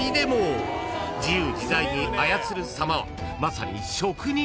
［自由自在に操るさまはまさに職人芸］